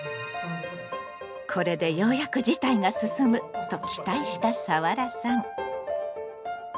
これで「ようやく事態が進む」と期待したサワラさん。